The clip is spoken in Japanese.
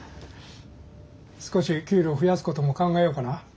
少し給料増やすことも考えようかな。